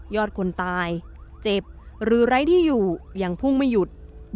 อดคนตายเจ็บหรือไร้ที่อยู่ยังพุ่งไม่หยุด